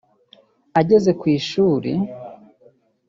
Ageze ku ishuri